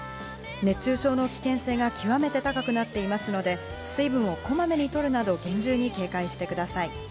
熱中症の危険性が極めて高くなっていますので、水分をこまめにとるなど厳重に警戒してください。